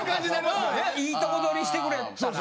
うんいいとこどりしてくれたら。